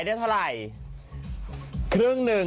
เห็นอย่างนี้คือไหน